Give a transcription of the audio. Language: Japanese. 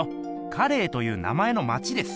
「カレー」という名前の町です。